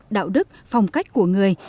đạo đức phong cách của người